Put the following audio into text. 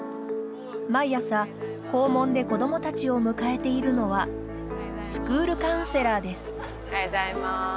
毎朝、校門で子どもたちを迎えているのはスクールカウンセラーです。